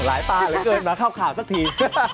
หลายปลาไงเกินมาข้าวสักที